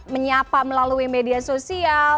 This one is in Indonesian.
menyapa melalui media sosial